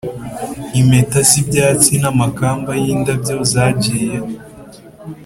impeta z'ibyatsi n'amakamba y'indabyo zagiye